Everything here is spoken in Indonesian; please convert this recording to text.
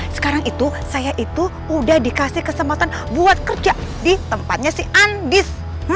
sekarang itu saya itu udah dikasih kesempatan buat kerja di tempatnya si andis